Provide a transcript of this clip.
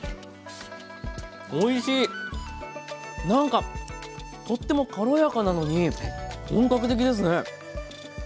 なんかとっても軽やかなのに本格的ですね。